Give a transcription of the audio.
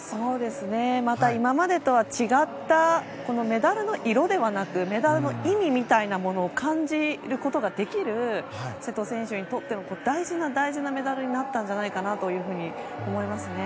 また今までとは違ったメダルの色ではなくメダルの意味みたいなものを感じることができる瀬戸選手にとっての大事な大事なメダルになったんじゃないかなと思いますね。